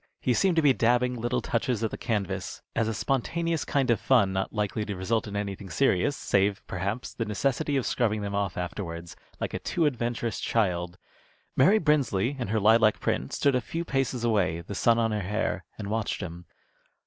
He seemed to be dabbing little touches at the canvas, as a spontaneous kind of fun not likely to result in anything serious, save, perhaps, the necessity of scrubbing them off afterwards, like a too adventurous child. Mary Brinsley, in her lilac print, stood a few paces away, the sun on her hair, and watched him.